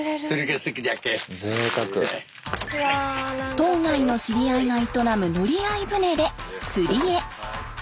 島外の知り合いが営む乗り合い船で釣りへ。